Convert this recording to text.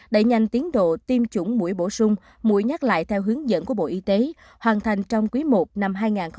đẩy nhanh tiến độ tiêm chủng mũi bổ sung mũi nhắc lại theo hướng dẫn của bộ y tế hoàn thành trong quý i năm hai nghìn hai mươi